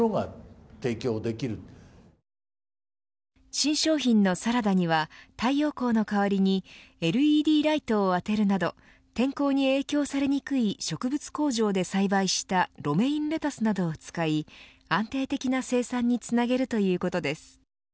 新商品のサラダには太陽光の代わりにＬＥＤライトを当てるなど天候に影響されにくい植物工場で栽培したロメインレタスなどを使い安定的な生産につなげるということです。